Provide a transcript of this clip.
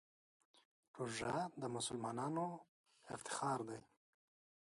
روژه د مسلمانانو افتخار دی.